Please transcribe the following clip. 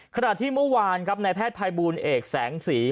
ขณะที่เมื่อวานครับในแพทย์ภัยบูลเอกแสงสี